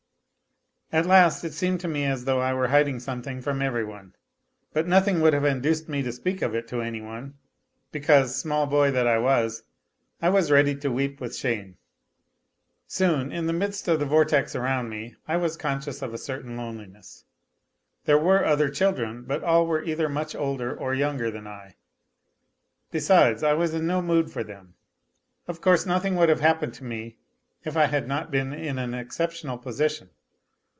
At last it seemed to me as though I were hiding something from every one. But nothing would have induced me to speak of it to any one, because, small boy that I was, I was ready to weep with shame. Soon in the midst of the vortex around me I was conscious of a certain loneliness. There were other children, but all were either much older or younger than I; be sides, I was in no mood for them. Of course nothing would have happened to me if I had not been in an exceptional position.